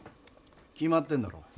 決まってんだろ。